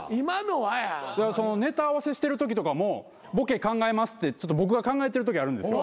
ネタ合わせしてるときとかもボケ考えますって僕が考えてるときあるんですよ。